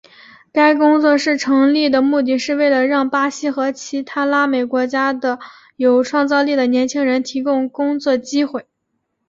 该工作室成立的目的是为了让巴西和其他拉美国家的有创造力的年轻人提供工作机会。